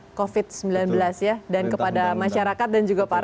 semoga bin tetap semangat membantu pemerintah dalam memutus mata rantai penyusupan